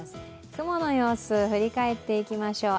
雲の様子、振り返っていきましょう